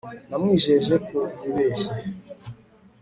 Namwijeje ko yibeshye